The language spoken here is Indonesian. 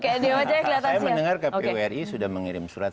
saya mendengar kpu ri sudah mengirim surat